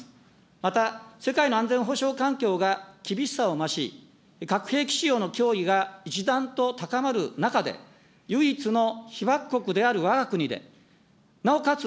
また世界の安全保障環境が厳しさを増し、核兵器使用の脅威が一段と高まる中で、唯一の被爆国であるわが国で、なおかつ